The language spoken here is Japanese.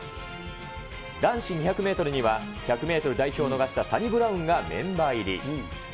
男子２００メートルには、１００メートル代表を逃したサニブラウンがメンバー入り。